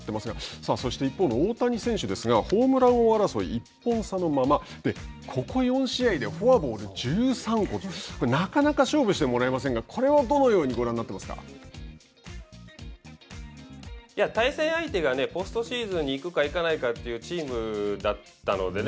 さあ、そして一方の大谷選手ですがホームラン王争い１本差のままでここ４試合でフォアボール１３個となかなか勝負してもらえませんがこれは、どのように対戦相手がポストシーズンに行くか行かないかというチームだったのでね。